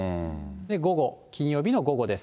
午後、金曜日の午後です。